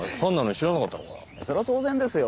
そりゃ当然ですよ。